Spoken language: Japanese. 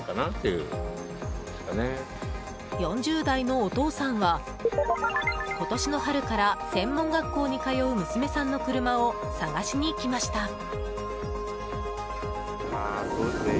４０代のお父さんは今年の春から専門学校に通う娘さんの車を探しに行きました。